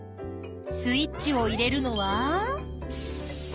スイッチを入れるのは。